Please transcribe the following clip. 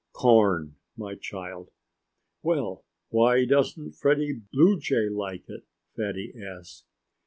"Corn, my child." "Well, why doesn't Freddie Bluejay like it?" Fatty asked.